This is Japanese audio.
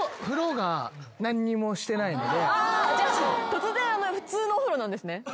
突然普通のお風呂なんですね。